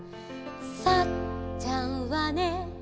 「サッちゃんはね」